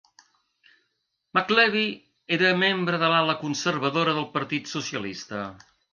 McLevy era membre de l'ala conservadora del Partit Socialista.